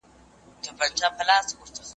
څېړنه د کومو دلیلونو پر بنسټ ولاړه وي؟